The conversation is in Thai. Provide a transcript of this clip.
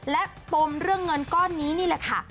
และปมเรื่องเงินก้อนนี้นี่แหละค่ะ